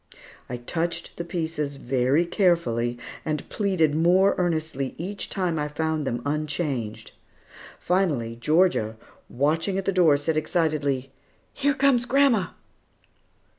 I touched the pieces very carefully, and pleaded more earnestly each time that I found them unchanged. Finally, Georgia, watching at the door, said excitedly, "Here comes grandma!"